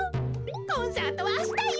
コンサートはあしたよ！